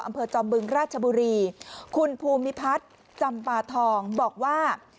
จอมบึงราชบุรีคุณภูมิพัฒน์จำปาทองบอกว่า